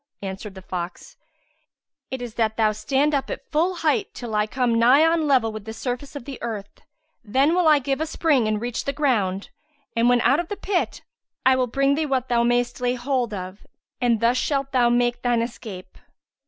Answered the fox, "It is that thou stand up at full height till I come nigh on a level with the surface of the earth. Then will I give a spring and reach the ground; and, when out of the pit, I will bring thee what thou mayst lay hold of, and thus shalt thou make thine escape."